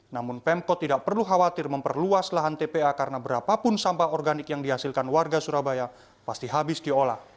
namun pemkot tidak perlu khawatir memperluas lahan tpa karena berapapun sampah organik yang dihasilkan warga surabaya pasti habis diolah